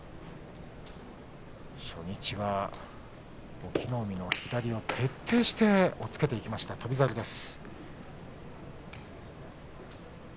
初日は隠岐の海の左を徹底して押っつけていきました翔猿です。